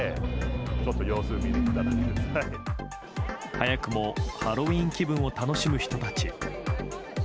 早くも、ハロウィーン気分を楽しむ人たち。